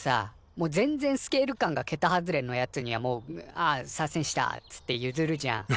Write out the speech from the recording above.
もう全然スケール感がけた外れのやつにはもう「あっサーセンした」っつってゆずるじゃん。